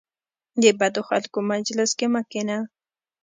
د بدو خلکو مجلس کې مه کینه .